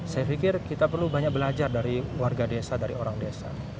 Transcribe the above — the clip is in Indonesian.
saya pikir kita perlu banyak belajar dari warga desa dari orang desa